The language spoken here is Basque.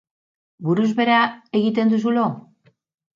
Buruz behera egiten duzu lo?